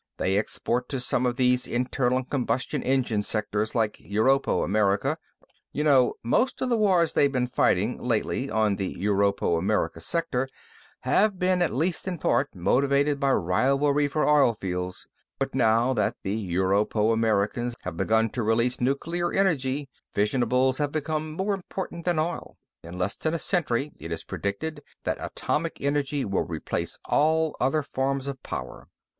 They export to some of these internal combustion engine sectors, like Europo American. You know, most of the wars they've been fighting, lately, on the Europo American Sector have been, at least in part, motivated by rivalry for oil fields. But now that the Europo Americans have begun to release nuclear energy, fissionables have become more important than oil. In less than a century, it's predicted that atomic energy will replace all other forms of power.